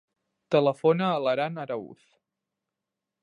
Telefona a l'Aran Arauz.